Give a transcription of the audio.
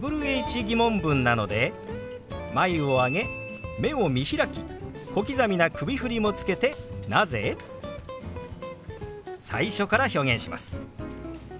ー疑問文なので眉を上げ目を見開き小刻みな首振りもつけて「なぜ？」。最初から表現します。